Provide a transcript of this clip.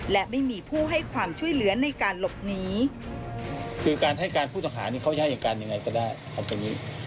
และไม่มีผู้ให้ความช่วยเหลือนในการหลบหนี